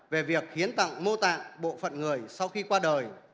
về việc hiến tặng mô tạng bộ phận người sau khi qua đời